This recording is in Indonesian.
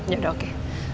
ya udah oke